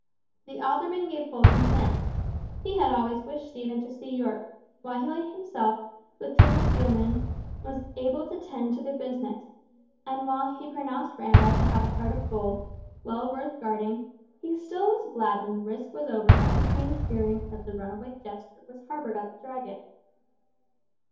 The alderman gave full consent, he had always wished Stephen to see York, while he himself, with Tibble Steelman, was able to attend to the business; and while he pronounced Randall to have a heart of gold, well worth guarding, he still was glad when the risk was over of the King's hearing that the runaway jester was harboured at the Dragon.